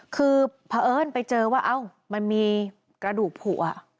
คือพระเอิ้นไปเจอว่าเอ้ามันมีกระดูกผูอ่ะ